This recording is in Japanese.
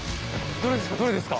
どれですか？